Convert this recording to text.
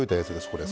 これ。